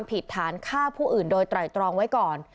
ผิดฐานฆ่าผู้อื่นโดยไตรตรองไว้ก่อน